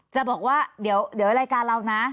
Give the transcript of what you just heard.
จะบอกว่าเดี๋ยวรายการเรานะ